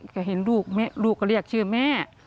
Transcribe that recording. ก็เห็นลูกก็เรียกชื่อแม่